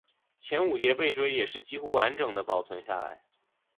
前五节背椎也是几乎完整地保存下来。